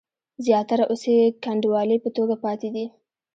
زیاتره اوس یې کنډوالې په توګه پاتې دي.